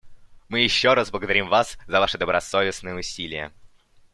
Мы еще раз благодарим вас за ваши добросовестные усилия.